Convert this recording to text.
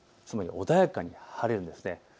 つまり穏やかに晴れるんです。